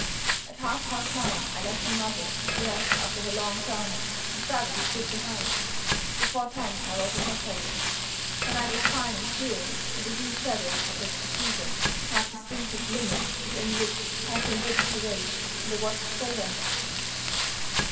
At half past nine, I left my mother to rest after her long journey, and privately quit the house. Before ten, I was at my post. The night was fine and clear; and the huge shadow of the cathedral marked distinctly the limits within which I had been bid to wait, on the watch for events.